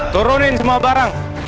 turunin semua barang